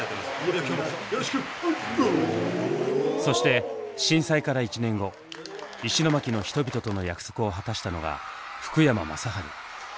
そして震災から１年後石巻の人々との約束を果たしたのが福山雅治。